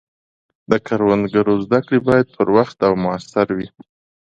د کروندګرو زده کړې باید پر وخت او موثر وي.